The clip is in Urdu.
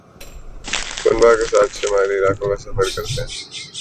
کنبہ کے ساتھ شمالی علاقوں کا سفر کرتے ہیں